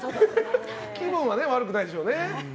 気分は悪くないでしょうね。